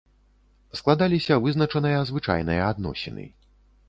Складаліся вызначаныя звычайныя адносіны.